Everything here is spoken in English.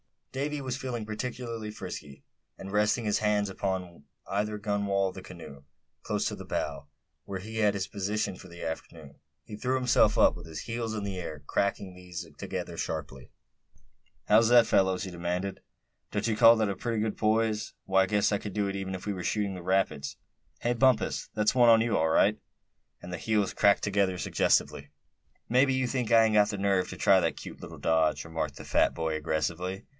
Davy was feeling particularly frisky; and resting his hands, one upon either gunwale of the canoe, close to the bow, where he had his position for the afternoon, he threw himself up, with his heels in the air, cracking these together sharply. "How's that, fellows?" he demanded. "Don't you call that a pretty good poise? Why, I guess I could do it even if we were shooting the rapids. Hey, Bumpus, that's one on you, all right," and the heels cracked together suggestively. "Mebbe you think I ain't got the nerve to try that cute little dodge," remarked the fat boy, aggressively.